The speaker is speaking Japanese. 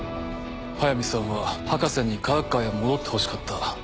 速水さんは博士に科学界へ戻ってほしかった。